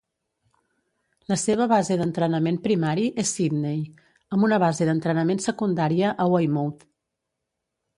La seva base d'entrenament primari és Sydney, amb una base d'entrenament secundària a Weymouth.